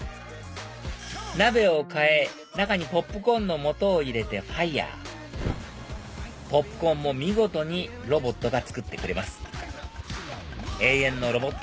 鍋を替え中にポップコーンのもとを入れてファイアポップコーンも見事にロボットが作ってくれます永遠のロボット